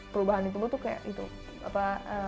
perubahan itu tuh kayak gitu apa